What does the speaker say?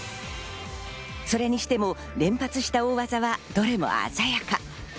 それにしても連発した大技はどれも鮮やか。